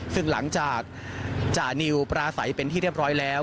ซึ่งหลังจากจานิวปราศัยเป็นที่เรียบร้อยแล้ว